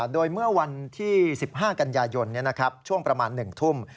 โดยเมื่อวันที่๑๕กันยายนช่วงประมาณ๑ทุ่ม